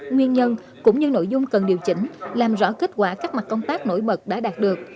nguyên nhân cũng như nội dung cần điều chỉnh làm rõ kết quả các mặt công tác nổi bật đã đạt được